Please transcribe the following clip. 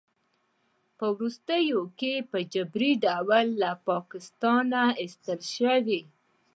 په وروستیو کې په جبري ډول له پاکستانه ایستل شوی